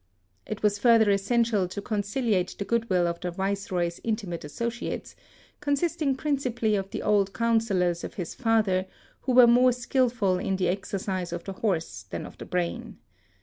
It was fur ther essential to conciliate the goodwill of the Viceroy's intimate associates, consist ing principally of the old councillors of his father, who were more skilful in the exer cise of the horse than of the brain.